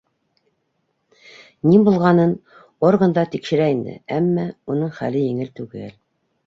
Ни булғанын органдар тикшерә инде, әммә... уның хәле еңел түгел.